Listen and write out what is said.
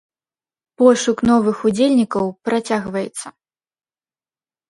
Пошук новых удзельнікаў працягваецца.